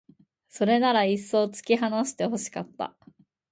それならいっそう突き放して欲しかった